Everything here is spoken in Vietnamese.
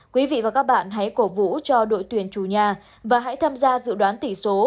cảm ơn các bạn hãy cổ vũ cho đội tuyển chủ nhà và hãy tham gia dự đoán tỷ số